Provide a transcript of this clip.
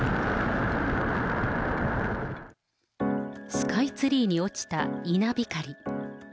スカイツリーに落ちた稲光。